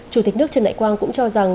chủ tịch nước trần đại quang cũng cho rằng